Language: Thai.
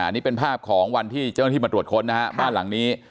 นี่เป็นภาพของวันที่เจ้าหน้าที่มาตรวจค้นนะฮะบ้านหลังนี้